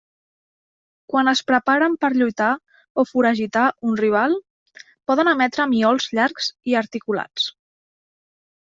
Quan es preparen per lluitar o foragitar un rival, poden emetre miols llargs i articulats.